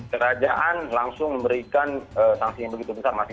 kerajaan langsung memberikan sanksi yang begitu besar